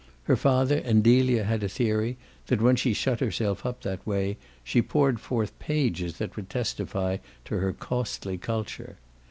Her father and Delia had a theory that when she shut herself up that way she poured forth pages that would testify to her costly culture.